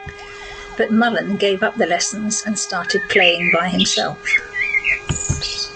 But Mullen gave up the lessons and started playing by himself.